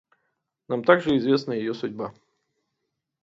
Нам также известна ее судьба.